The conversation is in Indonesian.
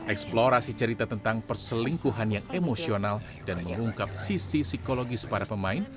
eksplorasi cerita tentang perselingkuhan yang emosional dan mengungkap sisi psikologis para pemain